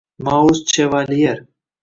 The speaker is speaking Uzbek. Mauris Chevalier